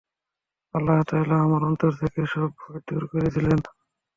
আল্লাহ তাআলা আমার অন্তর থেকে সব ভয় দূর করে দিলেন।